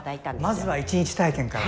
まずは一日体験から。